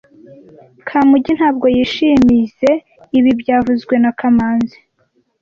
Kamugi ntabwo yishimizoe ibi byavuzwe na kamanzi